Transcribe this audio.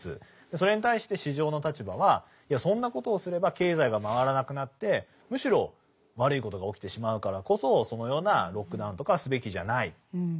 それに対して市場の立場はいやそんなことをすれば経済が回らなくなってむしろ悪いことが起きてしまうからこそそのようなロックダウンとかはすべきじゃない。